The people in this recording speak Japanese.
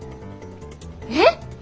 えっ？